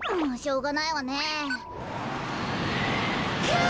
うわ！